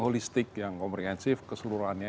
holistik yang komprehensif keseluruhannya